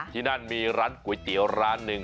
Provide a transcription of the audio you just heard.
ที่นั่นมีร้านก๋วยเตี๋ยวร้านหนึ่ง